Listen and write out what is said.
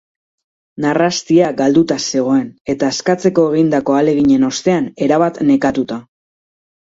Narrastia galduta zegoen, eta askatzeko egindako ahaleginen ostean erabat nekatuta.